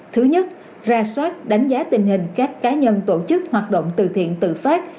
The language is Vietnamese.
thứ nhất ra soát đánh giá tình hình các cá nhân tổ chức hoạt động từ thiện tự phát